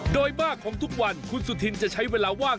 โดยมากของทุกวันคุณสุธินจะใช้เวลาว่าง